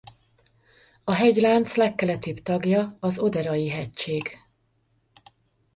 A hegylánc legkeletibb tagja az Oderai-hegység.